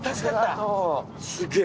すげえ！